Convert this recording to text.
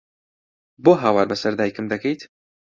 بۆ هاوار بەسەر دایکم دەکەیت؟!